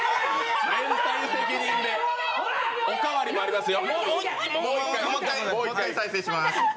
連帯責任で、おかわりもありますよ